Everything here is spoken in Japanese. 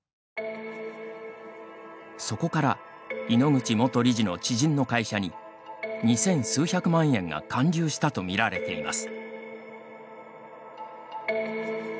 そこから井ノ口元理事の知人の会社に二千数百万円が還流したと見られています。